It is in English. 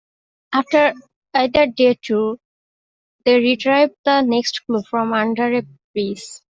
After either Detour, they retrieved the next clue from under a bridge.